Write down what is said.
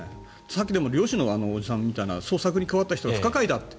さっき、でも猟師のおじさんみたいな捜索に関わった方は不可解だって。